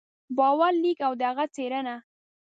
باور لیک او د هغه څېړنه